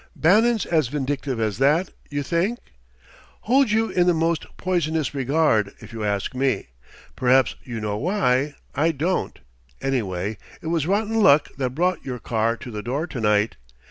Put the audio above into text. "Bannon's as vindictive as that, you think?" "Holds you in the most poisonous regard, if you ask me. Perhaps you know why: I don't. Anyway, it was rotten luck that brought your car to the door tonight.